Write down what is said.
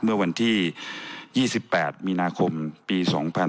เมื่อวันที่๒๘มีนาคมปี๒๕๖๒